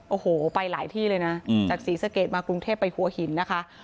โอ้โหไปหลายที่เลยนะจากศรีสะเกดมากรุงเทพไปหัวหินนะคะ